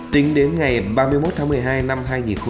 tính đến ngày ba mươi một tháng một mươi hai năm hai nghìn một mươi bốn